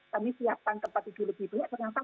kami siapkan tempat tidur lebih banyak ternyata